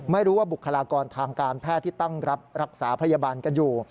ไม่รู้ว่าบุคลากรทางการแพทย์ที่ตั้งรับรักษาพยาบาลกันอยู่